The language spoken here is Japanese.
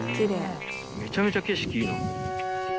めちゃめちゃ景色いいな。